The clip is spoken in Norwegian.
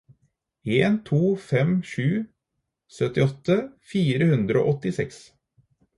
en to fem sju syttiåtte fire hundre og åttiseks